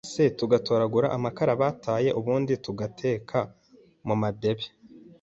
c tugatoragura amakara bataye ubundi tugateka mu madebe,